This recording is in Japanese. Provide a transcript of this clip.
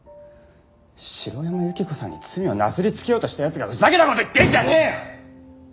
城山由希子さんに罪をなすりつけようとした奴がふざけた事言ってんじゃねえよ！